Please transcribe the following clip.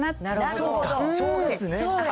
そうか、正月ね。